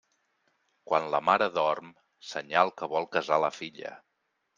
Quan la mare dorm, senyal que vol casar la filla.